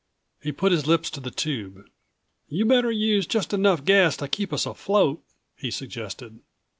He put his lips to the tube. "You better use just enough gas to keep us afloat," he suggested.